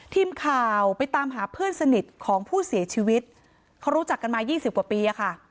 ทีมข่าวไปตามหาเพื่อนสนิทของผู้เสียชีวิตเขารู้จักกันมายี่สิบกว่าปีอะค่ะ